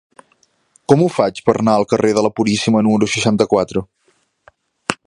Com ho faig per anar al carrer de la Puríssima número seixanta-quatre?